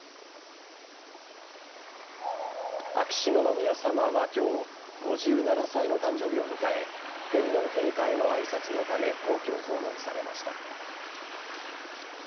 秋篠宮さまは今日５７歳の誕生日を迎え天皇陛下への挨拶のため皇居を訪問されました。